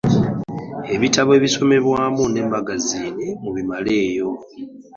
Ebitabo ebisomerwamu ne magaziini mubimaleyo.